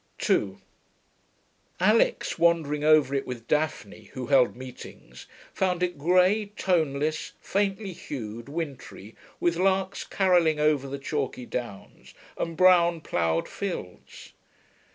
2 Alix, wandering over it with Daphne, who held meetings, found it grey, toneless, faintly hued, wintry, with larks carolling over the chalky downs and brown ploughed fields.